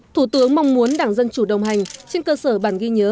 thủ tướng mong muốn đảng dân chủ đồng hành trên cơ sở bản ghi nhớ